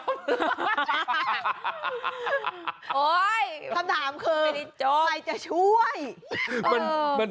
คำถามคือใครจะช่วย